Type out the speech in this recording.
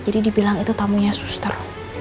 jadi dibilang itu tamunya suster